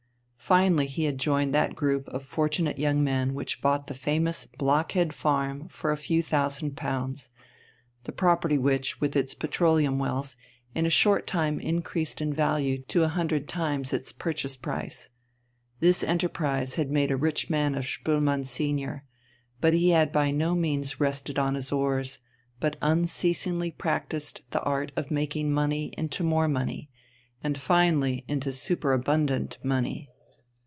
Finally he had joined that group of fortunate young men which bought the famous Blockhead Farm for a few thousand pounds the property which, with its petroleum wells, in a short time increased in value to a hundred times its purchase price.... This enterprise had made a rich man of Spoelmann senior, but he had by no means rested on his oars, but unceasingly practised the art of making money into more money, and finally into superabundant money.